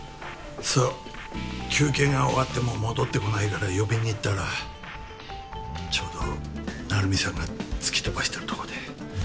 そう休憩が終わっても戻ってこないから呼びにいったらちょうど成海さんが突き飛ばしてるとこで。